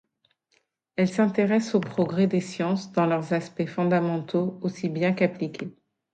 Elle s’intéresse aux progrès des sciences dans leurs aspects fondamentaux aussi bien qu’appliqués.